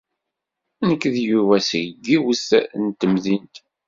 Nekk d Yuba seg yiwet n temdint.